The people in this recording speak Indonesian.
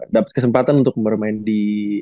dapat kesempatan untuk bermain di